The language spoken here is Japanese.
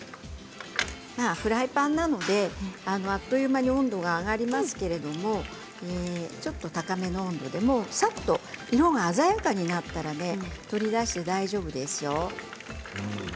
フライパンなのであっという間に温度が上がりますけれどちょっと高めの温度でもさっと色が鮮やかになったら取り出して大丈夫ですよ。